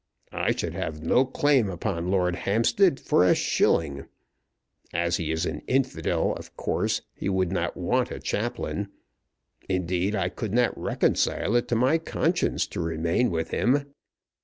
I should have no claim upon Lord Hampstead for a shilling. As he is an infidel, of course he would not want a chaplain. Indeed I could not reconcile it to my conscience to remain with him.